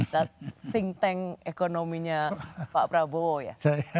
dan think tank ekonominya pak prabowo ya